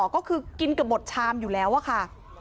ก็คือกินเกือบหมดชามอยู่แล้วอะค่ะ